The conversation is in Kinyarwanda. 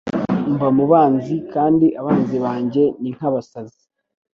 mba mu banzi kandi abanzi banjye ni nka basazi